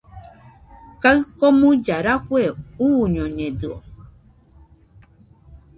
Kaɨ komuilla rafue uñoñedɨo